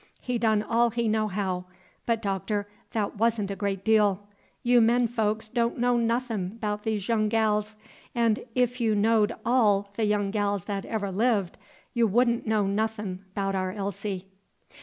He done all he know how, but, Doctor, that wa'n' a great deal. You men folks don' know nothin' 'bout these young gals; 'n' 'f you knowed all the young gals that ever lived, y' would n' know nothin' 'bout our Elsie."